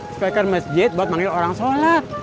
supaya kan masjid buat manggil orang sholat